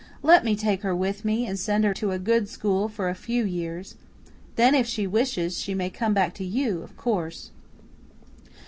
"Let me take her with me and send her to a good school for a few years. Then, if she wishes, she may come back to you, of course."